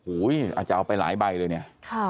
อาจจะเอาไปหลายใบเลยเนี่ย